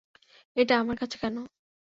এটা আমার কাছে কেন?